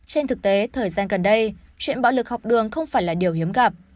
trên thực tế thời gian gần đây chuyện bạo lực học đường không phải là điều hiếm gặp